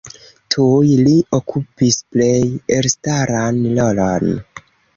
Tuj li okupis plej elstaran rolon.